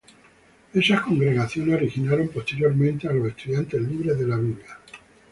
Esas congregaciones originaron posteriormente a Los Estudiantes libres de la Biblia.